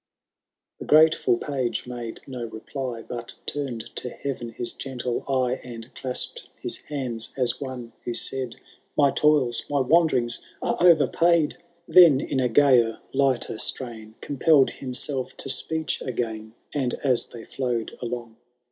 IV. The grateful Page made no reply. But tum*d to Heaven his gentle eye. And clasp*d his hands, as one who said, <* My toils — my wanderings are overpaid I Then in a gayer, lighter strain. Compelled himself to speech again : And, as they flow*d along.